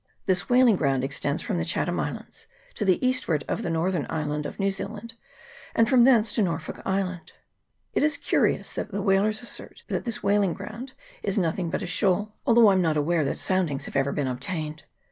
This whaling ground extends from the Chatham Islands to the eastward of the north ern island of New Zealand, and from thence to Nor folk Island. It is curious that the whalers assert that this whaling ground is nothing but a shoal, although I am not aware that soundings have ever been obtained.